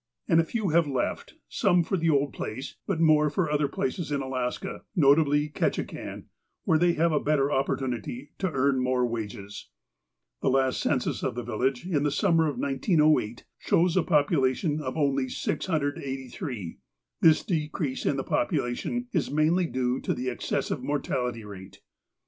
And a few have left, some for the old place, but more for other places in Alaska, notably Ketchikan, where they have a better opportunity to earn more wages. The last census of the village, in the summer of 1908, shows a population of only 683. This decrease in the population is mainly due to the excessive mortality rate.